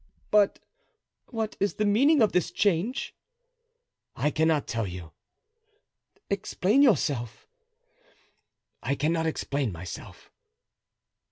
"But what is the meaning of this change?" "I cannot tell you." "Explain yourself." "I cannot explain myself."